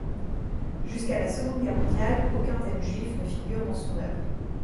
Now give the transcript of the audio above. Jusqu'à la Seconde Guerre mondiale, aucun thème juif ne figure dans son œuvre.